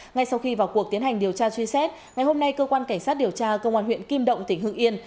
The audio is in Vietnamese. ngay sau khi vào cuộc tiến hành điều tra truy xét ngày hôm nay cơ quan cảnh sát điều tra công an huyện kim động tỉnh hưng yên